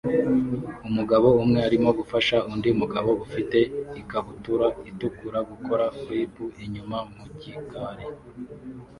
Umugabo umwe arimo gufasha undi mugabo ufite ikabutura itukura gukora flip inyuma mu gikari